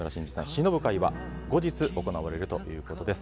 しのぶ会は後日行われるということです。